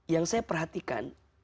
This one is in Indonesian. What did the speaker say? yang saya perhatikan